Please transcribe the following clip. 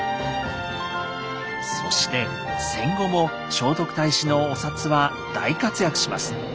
そして戦後も聖徳太子のお札は大活躍します。